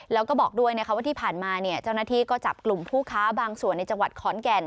แล้วก็บอกด้วยว่าที่ผ่านมาเจ้าหน้าที่ก็จับกลุ่มผู้ค้าบางส่วนในจังหวัดขอนแก่น